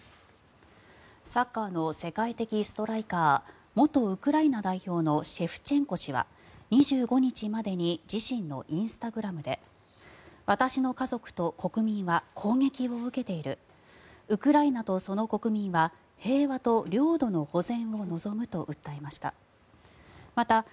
サッカーの世界的ストライカー元ウクライナ代表のシェフチェンコ氏は２５日までに自身のインスタグラムで私の家族と国民は攻撃を受けているウクライナとその国民は平和と領土の保全を望むと訴えました。